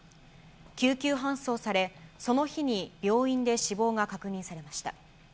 救急搬送され、その日に病院で死亡が確認されました。